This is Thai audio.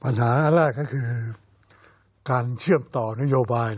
อันแรกก็คือการเชื่อมต่อนโยบาย